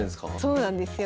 そうなんですよ。